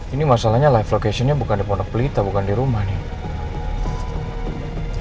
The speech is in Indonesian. ini masalahnya live location nya bukan di pondok pelita bukan di rumah nih